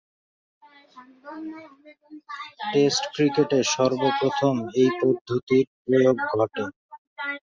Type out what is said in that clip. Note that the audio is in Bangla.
টেস্ট ক্রিকেটে সর্বপ্রথম এ পদ্ধতির প্রয়োগ ঘটে।